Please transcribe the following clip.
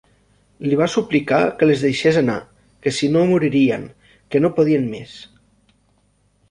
Li va suplicar que les deixes anar, que si no moririen, que no podien més.